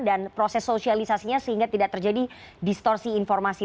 dan proses sosialisasinya sehingga tidak terjadi distorsi informasi